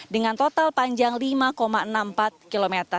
dengan total panjang lima enam puluh empat km